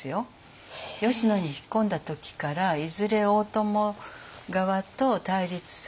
吉野に引っ込んだ時からいずれ大友側と対立すると。